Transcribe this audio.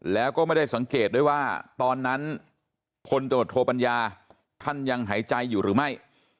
แล้วก็ไม่ได้สังเกตด้วยว่าตอนนั้นพลตรวจโทปัญญาท่านยังหายใจอยู่หรือไม่